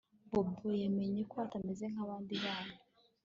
Bobo yamenye ko atameze nkabandi bana